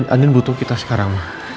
andin butuh kita sekarang